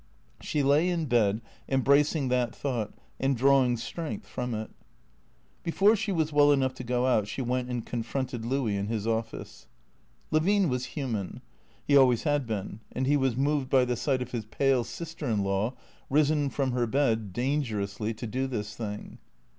She lay in bed, embracing that thought, and drawing strength from it. Before she was well enough to go out she went and confronted Louis in liis office. Jjfivine was human. He always had been; and he was moved THECEEATORS 397 by the sight of his pale sister in law, risen from her bed, dan gerously, to do this thing.